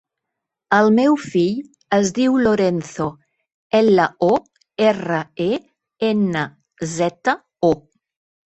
El meu fill es diu Lorenzo: ela, o, erra, e, ena, zeta, o.